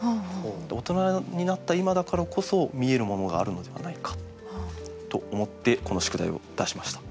大人になった今だからこそ見えるものがあるのではないかと思ってこの宿題を出しました。